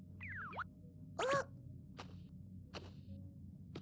あっ。